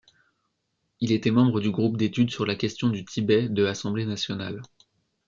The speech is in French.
Il était membre du groupe d'études sur la question du Tibet de Assemblée nationale.